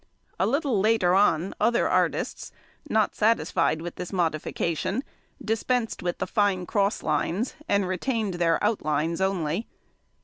A little later on other artists, not satisfied with this modification, dispensed with the |114| fine cross lines, and retained their outlines only.